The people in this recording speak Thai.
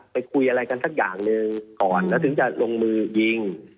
คุยอะไรกันสักอย่างหนึ่งก่อนแล้วถึงจะลงมือยิง